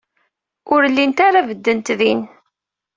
Ur llint ara beddent din.